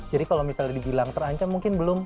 jadi kalau misalnya dibilang terancam mungkin belum